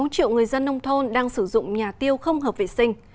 một mươi sáu triệu người dân nông thôn đang sử dụng nhà tiêu không hợp vệ sinh